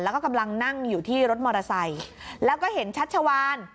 แล้วก็กำลังนั่งอยู่ที่รถมอเตอร์ไซค์แล้วก็เห็นชัชวาน